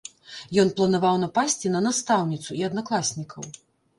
Ён планаваў напасці на настаўніцу і аднакласнікаў.